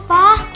apaan sih debi